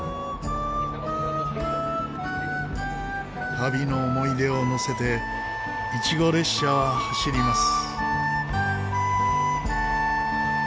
旅の思い出を乗せてイチゴ列車は走ります。